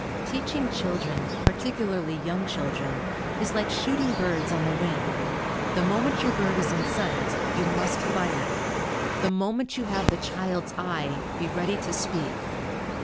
Teaching children, particularly young children, is like shooting birds on the wing. The moment your bird is in sight, you must fire. The moment you have the child's eye, be ready to speak.